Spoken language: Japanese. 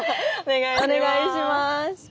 お願いします。